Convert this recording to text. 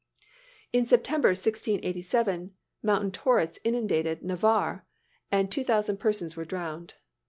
"In September, 1687, mountain torrents inundated Navarre, and two thousand persons were drowned.